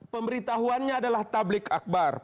pemberitahuannya adalah tablik akbar